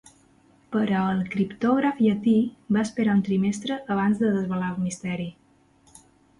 Però el criptògraf llatí va esperar un trimestre abans de desvelar el misteri.